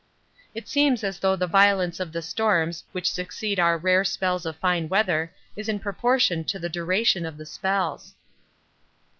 It seems as though the violence of the storms which succeed our rare spells of fine weather is in proportion to the duration of the spells.